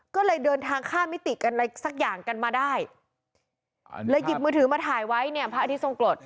ก็เลยเดินทางข้ามมิติกันอะไรสักอย่างกันมาได้เลยหยิบมือถือมาถ่ายไว้เนี่ยพระอาทิตทรงกรด